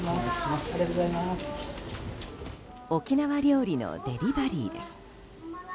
沖縄料理のデリバリーです。